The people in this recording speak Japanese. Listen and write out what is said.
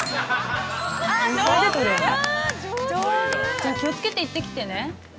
じゃあ気をつけていってきてね。